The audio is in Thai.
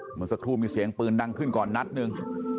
เหมือนสักครู่มีเสียงปืนดังขึ้นก่อนนัดหนึ่ง